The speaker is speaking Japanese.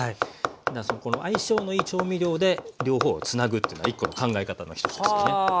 相性のいい調味料で両方をつなぐというのは一個の考え方の一つですよね。